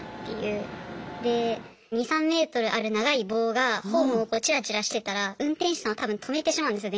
で２３ｍある長い棒がホームをこうちらちらしてたら運転士さんは多分止めてしまうんですよ